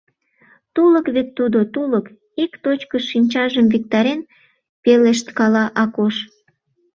— Тулык вет тудо, тулык, — ик точкыш шинчажым виктарен, пелешткала Акош.